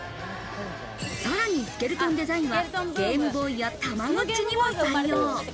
さらにスケルトンデザインは、ゲームボーイやたまごっちにも採用。